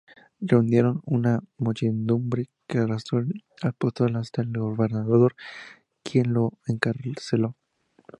Reunieron una muchedumbre que arrastró al apóstol hasta el gobernador, quien lo encarceló.